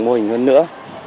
mô hình hơn nữa